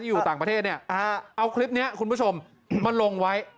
อยู่ต่างประเทศเนี่ยเอาคลิปนี้คุณผู้ชมมาลงไว้